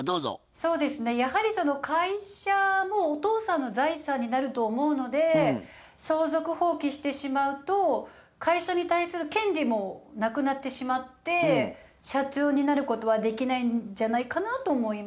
そうですねやはりその会社もお父さんの財産になると思うので相続放棄してしまうと会社に対する権利もなくなってしまって社長になることはできないんじゃないかなと思います。